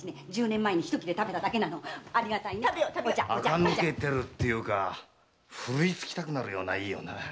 あか抜けてるっていうかふるいつきたくなるようないい女だな。